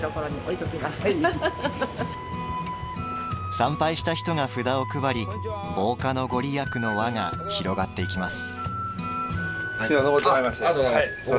参拝した人が札を配り防火の御利益の輪が広がっていきます。